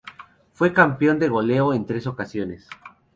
Fue campeón de goleo en tres ocasiones.